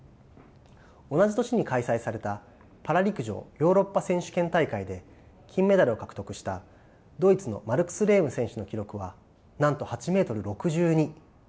同じ年に開催されたパラ陸上ヨーロッパ選手権大会で金メダルを獲得したドイツのマルクス・レーム選手の記録はなんと８ｍ６２。